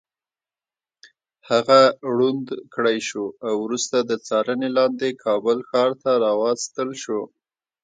هغه ړوند کړی شو او وروسته د څارنې لاندې کابل ښار ته راوستل شو.